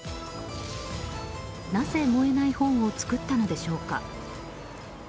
なぜ燃えない本を作ったのでしょうか。